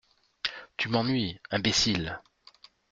Tu m’ennuies, imbécile !…